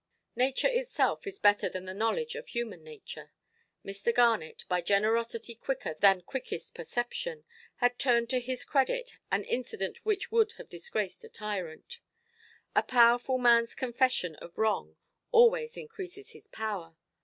Nature itself is better than the knowledge of human nature. Mr. Garnet, by generosity quicker than quickest perception, had turned to his credit an incident which would have disgraced a tyrant. A powerful manʼs confession of wrong always increases his power.